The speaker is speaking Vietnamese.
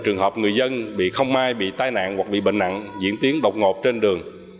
trường hợp người dân bị không mai bị tai nạn hoặc bị bệnh nặng diễn tiến độc ngột trên đường